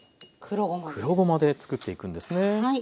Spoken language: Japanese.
黒ごまでつくっていくんですね。